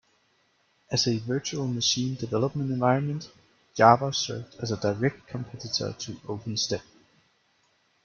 As a virtual machine development environment, Java served as a direct competitor to OpenStep.